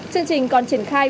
chương trình còn triển khai